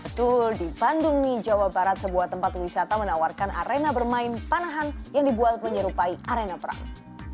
betul di bandung nih jawa barat sebuah tempat wisata menawarkan arena bermain panahan yang dibuat menyerupai arena perang